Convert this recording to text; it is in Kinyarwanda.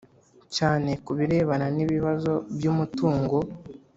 cyane ku birebana n’ibibazo by’umutungo.